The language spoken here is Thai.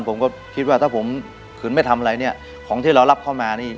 ผมก็คิดว่าถ้าผมขืนไม่ทำอะไรเนี่ยของที่เรารับเข้ามานี่